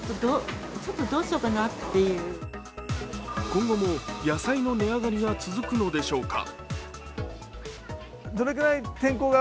今後も野菜の値上がりが続くのでしょうか？